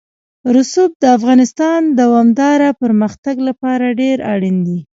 رسوب د افغانستان د دوامداره پرمختګ لپاره ډېر اړین دي.